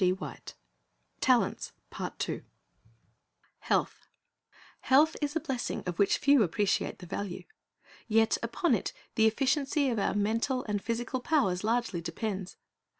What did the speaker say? "' HE A L TH Health is a blessing of which few appreciate the value; yet upon it the efficiency of our mental and physical powers largely depends.